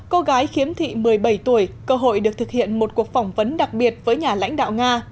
cô gái khiếm thị một mươi bảy tuổi cơ hội được thực hiện một cuộc phỏng vấn đặc biệt với nhà lãnh đạo nga